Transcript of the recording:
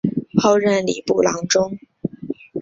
后任礼部郎中。